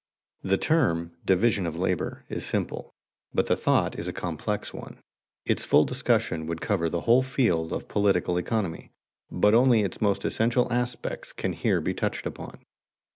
_ The term "division of labor" is simple, but the thought is a complex one. Its full discussion would cover the whole field of political economy, but only its most essential aspects can here be touched upon.